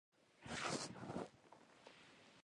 د اتمې پېړۍ تر نیمایي پورې څلوېښت دا ډول آبدات جوړ شوي